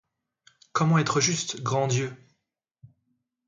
Comment être justes, grand Dieu!